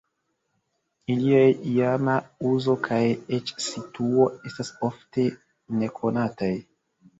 Iliaj iama uzo kaj eĉ situo estas ofte nekonataj.